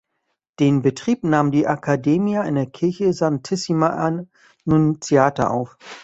Den Betrieb nahm die Accademia in der Kirche Santissima Annunziata auf.